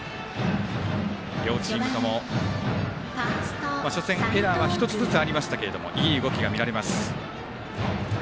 両チームとも初戦エラーは１つずつありましたけどいい動きが見られます。